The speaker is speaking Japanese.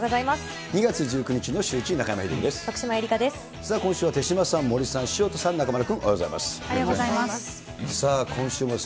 ２月１９日のシューイチ、徳島えりかです。